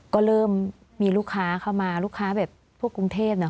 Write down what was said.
ก็เริ่มมีลูกค้าเข้ามาลูกค้าแบบพวกกรุงเทพนะ